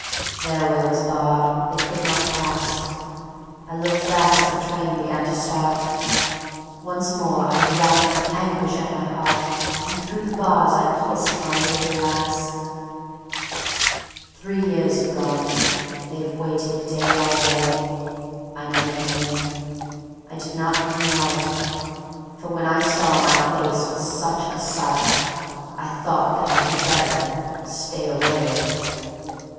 Their way was barred; they could not pass. I looked back as the train began to start; Once more I ran with anguish at my heart And through the bars I kissed my little lass. ... Three years have gone; they've waited day by day. I never came. I did not even write. For when I saw my face was such a sight I thought that I had better ... stay away.